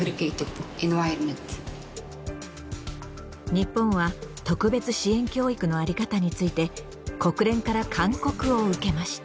日本は特別支援教育の在り方について国連から勧告を受けました。